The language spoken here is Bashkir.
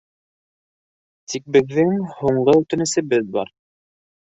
— Тик беҙҙең һуңғы үтенесебеҙ бар.